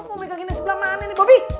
omegang ini sebelah mana nih bobby